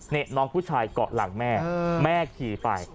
นี่น้องผู้ชายเกาะหลังแม่แม่ขี่ไป